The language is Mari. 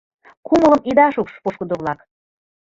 — Кумылым ида шупш, пошкудо-влак.